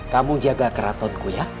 kamu jaga keratonku ya